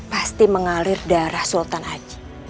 pasti mengalir darah sultan haji